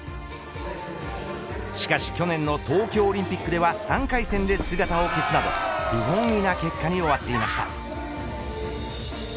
しかし、去年の東京オリンピックでは３回戦で姿を消すなど不本意な結果に終わっていました。